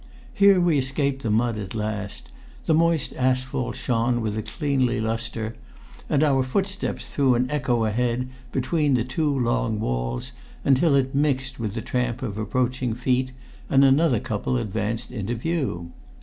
Here we escaped the mud at last; the moist asphalt shone with a cleanly lustre; and our footsteps threw an echo ahead, between the two long walls, until it mixed with the tramp of approaching feet, and another couple advanced into view.